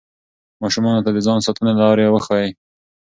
ماشومانو ته د ځان ساتنې لارې وښایئ.